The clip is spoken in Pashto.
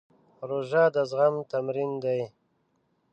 روژه د زغم تمرین دی.